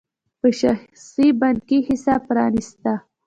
یو شخصي بانکي حساب پرانېسته.